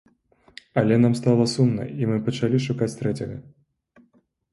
Але нам стала сумна і мы пачалі шукаць трэцяга.